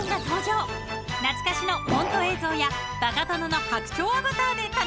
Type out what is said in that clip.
［懐かしのコント映像やバカ殿の白鳥アバターで楽しめます］